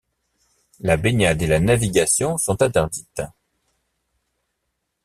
La baignade et la navigation sont interdites.